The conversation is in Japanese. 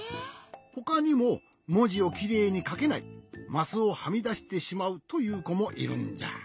ほかにももじをきれいにかけないマスをはみだしてしまうというこもいるんじゃ。